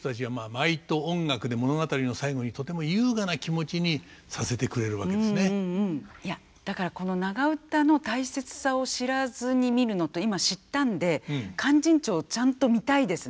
めちゃめちゃ見ている人たちはいやだからこの長唄の大切さを知らずに見るのと今知ったんで「勧進帳」ちゃんと見たいですね。